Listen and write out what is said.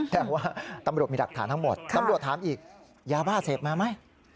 แต่ว่าตำรวจมีหลักฐานทั้งหมดตำรวจถามอีกยาบ้าเสพมาไหม